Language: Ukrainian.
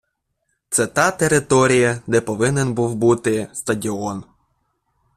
Це та територія, де повинен був бути стадіон.